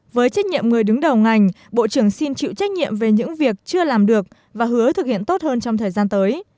với trách nhiệm người đứng đầu ngành bộ trưởng xin chịu trách nhiệm về những việc chưa làm được và hứa thực hiện tốt hơn trong thời gian tới